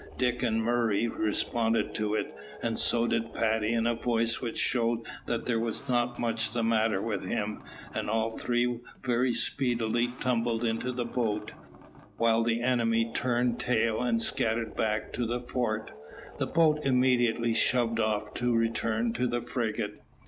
Dick and Murray responded to it, and so did Paddy in a voice which showed that there was not much the matter with him, and all three very speedily tumbled into the boat, while the enemy turned tail and scampered back to the fort. The boat immediately shoved off to return to the frigate.